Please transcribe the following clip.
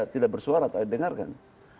tidak bersuara atau didengarkan